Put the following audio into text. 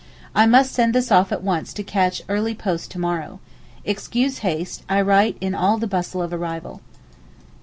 I must send this off at once to catch early post to morrow. Excuse haste, I write in all the bustle of arrival.